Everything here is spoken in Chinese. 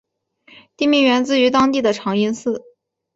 地名源自于当地的长延寺。